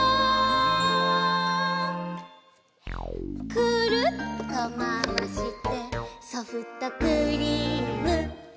「くるっとまわしてソフトクリーム」